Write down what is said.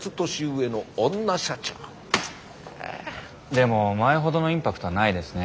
でも前ほどのインパクトはないですね。